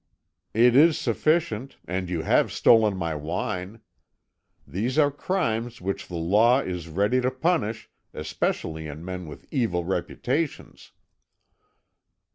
"It is sufficient and you have stolen my wine. These are crimes which the law is ready to punish, especially in men with evil reputations."